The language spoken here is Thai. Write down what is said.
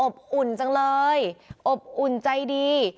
อุ่นจังเลยอบอุ่นใจดี